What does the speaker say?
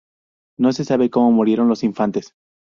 No se sabe cómo murieron los infantes.